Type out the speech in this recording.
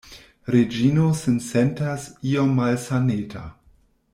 Reĝino sin sentas iom malsaneta.